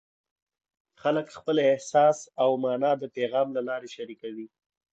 خلک خپل احساس او مانا د پیغام له لارې شریکوي.